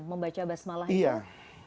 membaca basmalah itu